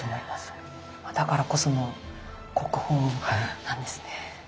だからこその国宝なんですね。